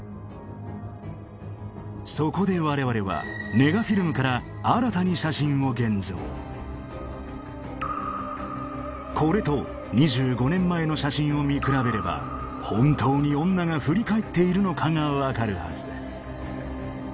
そこで我々はこれと２５年前の写真を見比べれば本当に女が振り返っているのかが分かるはず